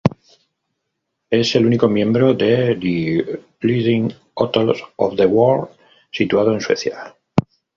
Es el único miembro de The Leading Hotels of the World situado en Suecia.